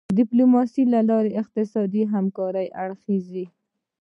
د ډیپلوماسی له لارې اقتصادي همکاري پراخیږي.